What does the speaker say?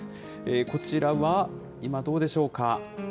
こちらは今どうでしょうか。